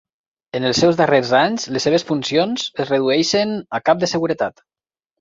En els seus darrers anys, les seves funcions es redueixen a cap de seguretat.